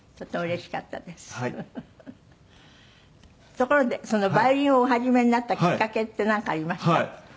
ところでそのヴァイオリンをお始めになったきっかけってなんかありました？